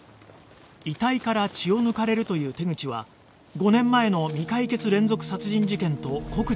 遺体から血を抜かれるという手口は５年前の未解決連続殺人事件と酷似していた